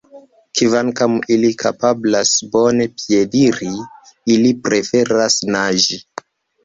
Kvankam ili kapablas bone piediri, ili preferas naĝi.